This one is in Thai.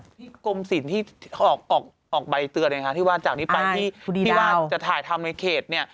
ที่กรมศิลป์ที่ออกออกออกออกใบเตือนไงคะที่ว่าจากนี้ไปที่ที่ว่าจะถ่ายทำในเขตเนี่ย